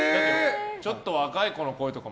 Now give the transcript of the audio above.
ちょっと若い子の声とかは？